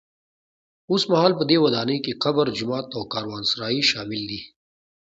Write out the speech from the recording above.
اوسمهال په دې ودانۍ کې قبر، جومات او کاروانسرای شامل دي.